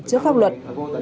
trước pháp luật